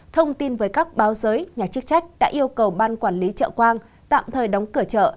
thông tin với các báo giới nhà chức trách đã yêu cầu ban quản lý chợ quang tạm thời đóng cửa chợ